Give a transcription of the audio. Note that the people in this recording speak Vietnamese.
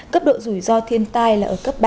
cấp độ rủi ro thiên tai là ở cấp ba